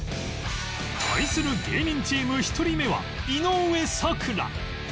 対する芸人チーム１人目は井上咲楽